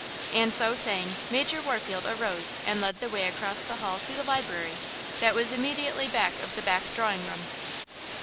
And so saying, Major Warfield arose and led the way across the hall to the library, that was immediately back of the back drawing room.